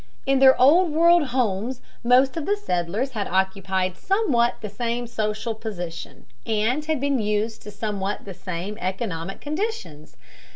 In their Old World homes most of the settlers had occupied somewhat the same social position, and had been used to somewhat the same economic conditions.